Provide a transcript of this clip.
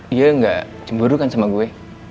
dia gak cemburu kan sama gue